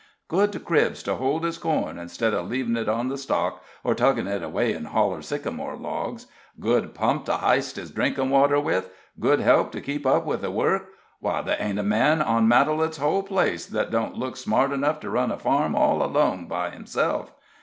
Good cribs to hold his corn, instead of leaving it on the stalk, or tuckin' it away in holler sycamore logs, good pump to h'ist his drinkin' water with, good help to keep up with the work why, ther hain't a man on Matalette's whole place that don't look smart enough to run a farm all alone by himself.